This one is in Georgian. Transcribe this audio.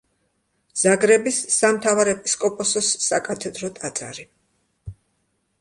ზაგრების სამთავარეპისკოპოსოს საკათედრო ტაძარი.